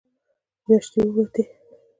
مياشتې ووتې.